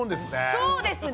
そうですね。